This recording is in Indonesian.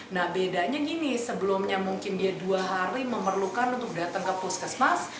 nah bedanya gini sebelumnya mungkin dia dua hari memerlukan untuk datang ke puskesmas